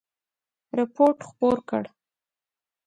رپوټ خپور کړ.